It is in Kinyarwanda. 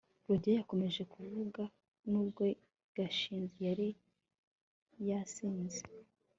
rugeyo yakomeje kuvuga nubwo gashinzi yari yasinziriye